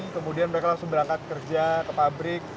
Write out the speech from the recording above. kemudian mereka langsung berangkat kerja ke pabrik